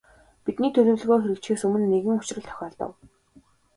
Бидний төлөвлөгөө хэрэгжихээс өмнө нэгэн учрал тохиолдов.